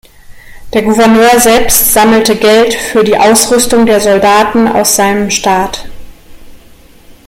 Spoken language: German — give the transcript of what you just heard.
Der Gouverneur selbst sammelte Geld für die Ausrüstung der Soldaten aus seinem Staat.